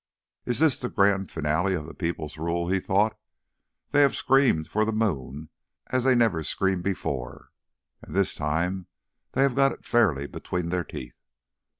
"Is this the grand finale of the people's rule?" he thought. "They have screamed for the moon as they never screamed before, and this time they have got it fairly between their teeth.